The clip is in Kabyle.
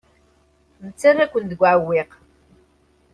Nettarra-ken deg uɛewwiq.